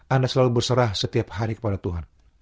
anda selalu berserah setiap hari kepada tuhan